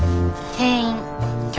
店員。